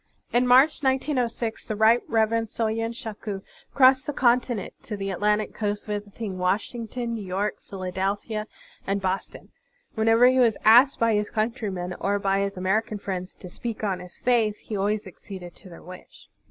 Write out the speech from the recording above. In March, 1906, the Right Reverend Soyen Shaku crossed the continent to the Atlantic coast, visiting Washington, New York, Phila delphia, and Boston. Whenever he was asked by his cotintrymen or by his American friends to speak on his faith, he always acceded to their wish.